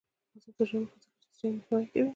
آزاد تجارت مهم دی ځکه چې جنګ مخنیوی کوي.